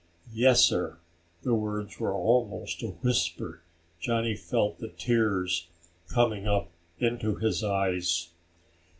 "Yes, sir." The words were almost a whisper. Johnny felt the tears coming up into his eyes.